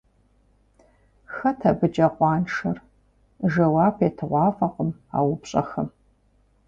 Хэт абыкӀэ къуаншэр? Жэуап етыгъуафӀэкъым а упщӀэхэм.